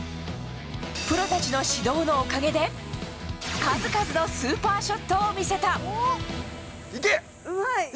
プロたちの指導のおかげで数々のスーパーショットを見せた。